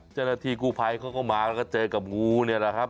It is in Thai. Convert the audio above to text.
เจ้าหน้าที่กู้ภัยเขาก็มาแล้วก็เจอกับงูเนี่ยแหละครับ